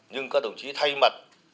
nhưng các tổng chí thay mặt